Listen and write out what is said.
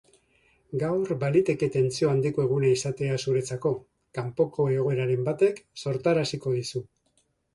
Gaur baliteke tentsio handiko eguna iaatea zuretzako, kapoko egoeraren batek sortaraziko dizu.